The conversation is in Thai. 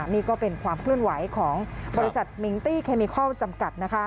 นี่ก็เป็นความเคลื่อนไหวของบริษัทมิงตี้เคมิคอลจำกัด